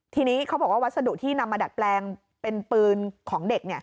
ทีนี้เขาบอกว่าวัสดุที่นำมาดัดแปลงเป็นปืนของเด็ก